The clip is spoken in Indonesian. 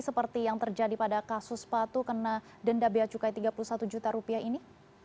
seperti yang terjadi pada kasus sepatu kena denda bea cukai tiga puluh satu juta rupiah ini